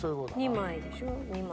２枚でしょ２枚。